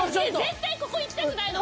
絶対ここ行きたくないの。